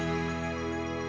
perjalanan ke wilayah sawang